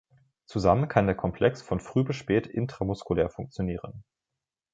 Zusammen kann der Komplex von früh bis spät intramuskulär funktionieren.